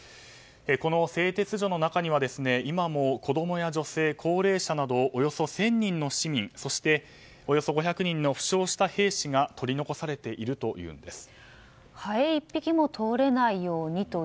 この製鉄所の中には今も子供や女性高齢者などおよそ１０００人の市民そしておよそ５００人の負傷した兵士がハエ１匹も通れないようにと。